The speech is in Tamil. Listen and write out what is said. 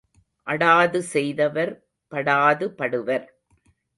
அடாது செய்தவர் படாது படுவர்.